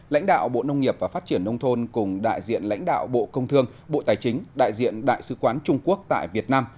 lãnh đạo bộ nông nghiệp và phát triển nông thôn cùng đại diện lãnh đạo bộ công thương bộ tài chính đại diện đại sứ quán trung quốc tại việt nam